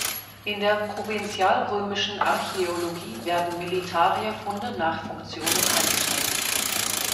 In der Provinzialrömischen Archäologie werden Militaria-Funde nach Funktionen eingeteilt.